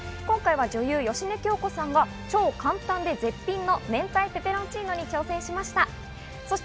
女優・芳根京子さんが超簡単で絶品の明太ペペロンチーノに挑戦しました。